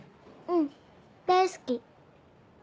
うん大好き。